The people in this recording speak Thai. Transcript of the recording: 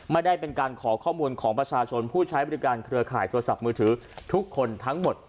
ไม่ได้เป็นการขอข้อมูลของประชาชนผู้ใช้บริการเครือข่ายโทรศัพท์มือถือทุกคนทั้งหมด